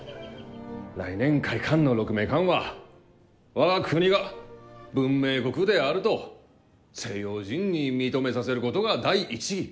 来年開館の鹿鳴館は我が国が文明国であると西洋人に認めさせることが第一義。